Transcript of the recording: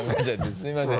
すいません。